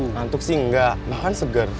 ngantuk sih enggak nah kan seger